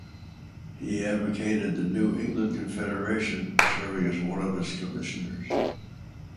He advocated the New England Confederation, serving as one of its commissioners.